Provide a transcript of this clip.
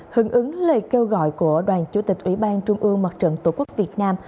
hứng ứng lời kêu gọi của đoàn chủ tịch ủy ban trung ương mặt trận tổ quốc việt nam